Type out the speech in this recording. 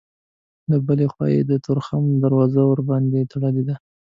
له بلې خوا یې د تورخم دروازه ورباندې تړلې ده.